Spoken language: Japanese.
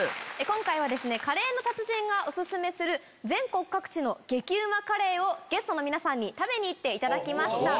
今回はカレーの達人がオススメする全国各地の激うまカレーをゲストの皆さんに食べに行っていただきました。